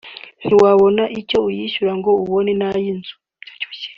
“Ntiwabona icyo uyishyura ngo ubone n’ayi nzu